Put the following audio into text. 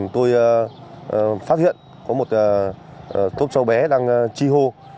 tôi phát hiện có một cốp cháu bé đang chi hô